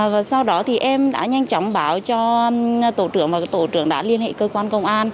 và sau đó thì em đã nhanh chóng báo cho tổ trưởng và tổ trưởng đã liên hệ cơ quan công an